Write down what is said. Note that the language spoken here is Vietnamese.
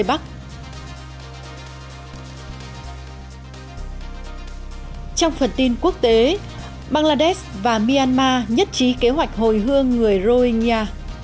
bangladesh và myanmar nhất trí kế hoạch hồi hương người rohingya